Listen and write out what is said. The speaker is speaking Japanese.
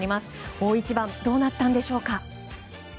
大一番どうなったんでしょうか。